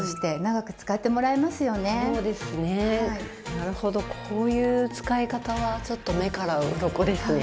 なるほどこういう使い方はちょっと目からうろこですね。